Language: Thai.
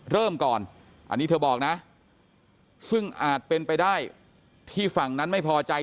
เริ่มก่อนอันนี้เธอบอกนะซึ่งอาจเป็นไปได้ที่ฝั่งนั้นไม่พอใจ